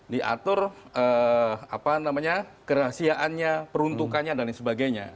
diatur kerahasiaannya peruntukannya dan lain sebagainya